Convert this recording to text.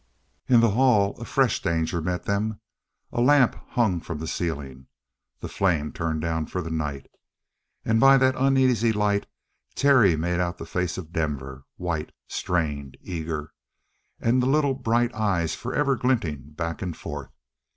In the hall a fresh danger met them. A lamp hung from the ceiling, the flame turned down for the night. And by that uneasy light Terry made out the face of Denver, white, strained, eager, and the little bright eyes forever glinting back and forth.